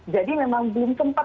jadi memang belum sempat